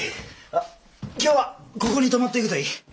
今日はここに泊まっていくといい。